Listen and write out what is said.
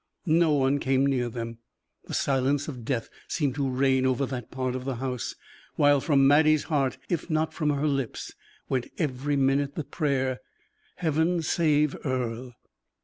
No one came near them. The silence of death seemed to reign over that part of the house; while from Mattie's heart, if not from her lips, went every minute the prayer: "Heaven save Earle!"